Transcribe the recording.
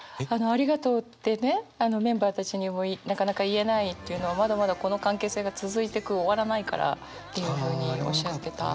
「ありがとう」ってねメンバーたちにもなかなか言えないというのをまだまだこの関係性が続いてく終わらないからっていうふうにおっしゃってた。